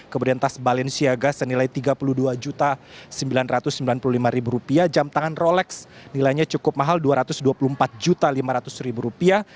kemudian tas balenciaga senilai tiga puluh dua sembilan ratus sembilan puluh lima rupiah jam tangan rolex nilainya cukup mahal dua ratus dua puluh empat lima ratus rupiah